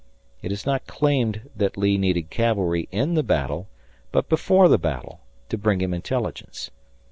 It is not claimed that Lee needed cavalry in the battle, but before the battle, to bring him intelligence.